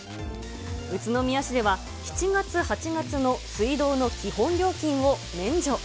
宇都宮市では、７月、８月の水道の基本料金を免除。